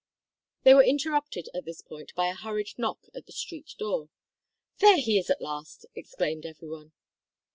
They were interrupted at this point by a hurried knock at the street door. "There he is at last," exclaimed every one.